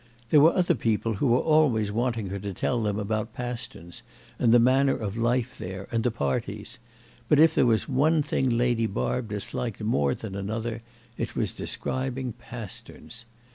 There were other people who were always wanting her to tell them about Pasterns and the manner of life there and the parties; but if there was one thing Lady Barb disliked more than another it was describing Pasterns.